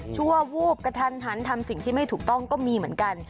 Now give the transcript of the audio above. วูบกระทันหันทำสิ่งที่ไม่ถูกต้องก็มีเหมือนกัน